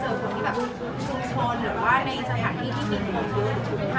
จะต้องเจอคนที่แบบชุมชนหรือว่าในสถานที่ที่มีก๋มลืม